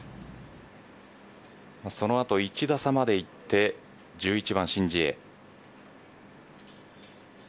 そのあと１打差までいって１１番、申ジエ。